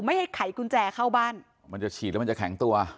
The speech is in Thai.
ให้ไขกุญแจเข้าบ้านมันจะฉีดแล้วมันจะแข็งตัว